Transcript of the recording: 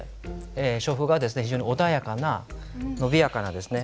非常に穏やかな伸びやかなですね